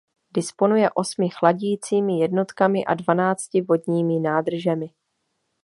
Disponuje osmi chladícími jednotkami a dvanácti vodními nádržemi.